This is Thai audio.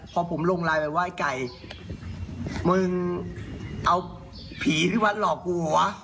พอผมลงไลน์ไปไหว้ไก่มึงเอาผีที่วัดหลอกกูเหรอ